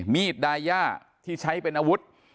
ดายาที่ใช้เป็นอาวุธ